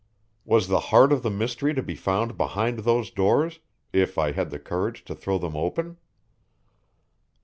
Was the heart of the mystery to be found behind those doors if I had the courage to throw them open?